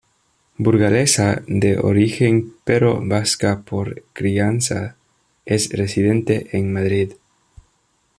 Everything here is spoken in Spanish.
Burgalesa de origen pero vasca por crianza, es residente en Madrid.